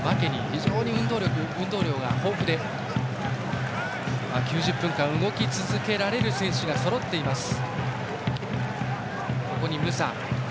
非常に運動量豊富で９０分間、動き続けられる選手がそろっています。